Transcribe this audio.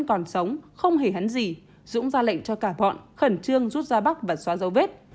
còn sống không hề hắn gì dũng ra lệnh cho cả bọn khẩn trương rút ra bắc và xóa dấu vết